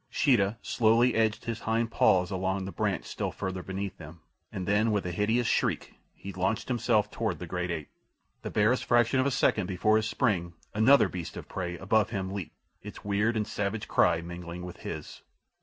Sheeta slowly edged his hind paws along the branch still further beneath him, and then with a hideous shriek he launched himself toward the great ape. The barest fraction of a second before his spring another beast of prey above him leaped, its weird and savage cry mingling with his.